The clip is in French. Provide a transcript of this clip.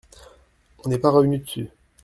On n’est pas revenu dessus.